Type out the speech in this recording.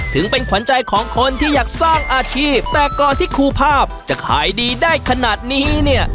ถึงเป็นขวัญใจของคนที่อยากสร้างอาชีพแต่ก่อนที่ครูภาพจะขายดีได้ขนาดนี้เนี่ย